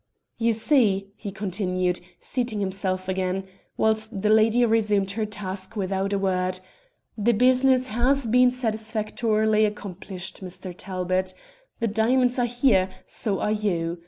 "'You see,' he continued, seating himself again, whilst the lady resumed her task without a word, 'the business has been satisfactorily accomplished, Mr. Talbot. The diamonds are here; so are you.